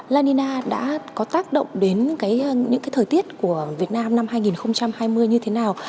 la nina đã có tác động đến những thời tiết của việt nam năm hai nghìn hai mươi như thế nào